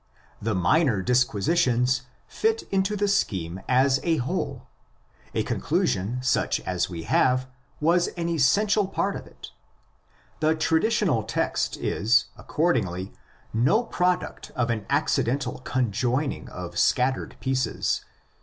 The minor disquisi tions fit into the scheme as a whole. A conclusion such as we have was an essential part of it. The traditional text is accordingly no product of an acci dental conjoining of scattered pieces.